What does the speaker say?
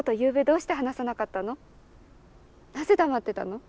なぜ黙ってたの？